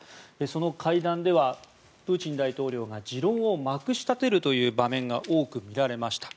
その会談ではプーチン大統領が持論をまくしたてるという場面が多く見られました。